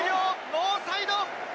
ノーサイド。